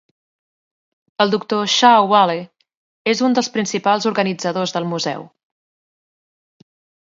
El doctor Shah Walie és un dels principals organitzadors del museu.